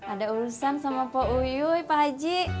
ada urusan sama pak uyu pak haji